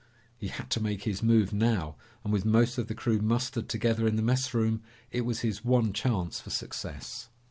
He had to make his move now, and with most of the crew mustered together in the messroom, it was his one chance for success.